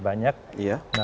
jadi gak usah banyak